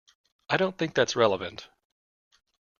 I don't think that's relevant.